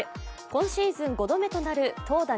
今シーズン５度目となる投打